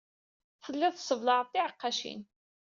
Telliḍ tesseblaɛeḍ tiɛeqqacin.